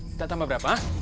kita tambah berapa